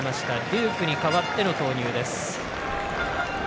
デュークに代わっての投入です。